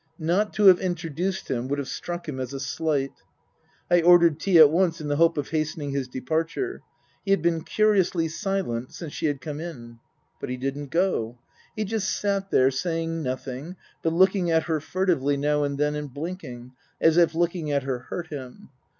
Not to have introduced him would have struck him as a slight. I ordered tea at once in the hope of hastening his departure. He had been curiously silent since she had come in. But he didn't go. He just sat there, saying nothing, but looking at her furtively now and again, and blinking, as if looking at her hurt him.